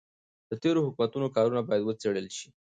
د تېرو حکومتونو کارونه باید وڅیړل شي.